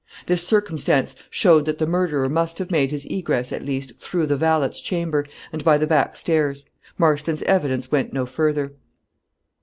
This circumstance showed that the murderer must have made his egress at least through the valet's chamber, and by the back stairs. Marston's evidence went no further.